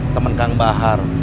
temen kang bahar